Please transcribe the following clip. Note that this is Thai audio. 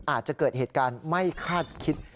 อาจจะเกิดเหตุการณ์ไม่คาดคิด